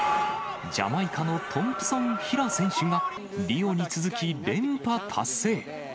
ジャマイカのトンプソン・ヒラ選手がリオに続き、連覇達成。